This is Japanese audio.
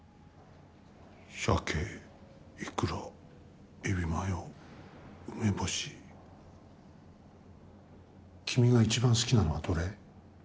さけ、いくらえびマヨ、梅干し君がいちばん好きなのはどれ？